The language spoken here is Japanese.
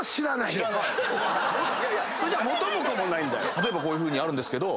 例えばこういうふうにあるんですけど。